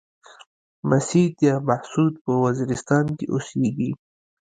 مسيد يا محسود په وزيرستان کې اوسيږي.